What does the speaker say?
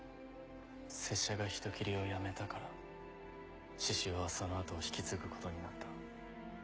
拙者が人斬りをやめたから志々雄はその後を引き継ぐことになった。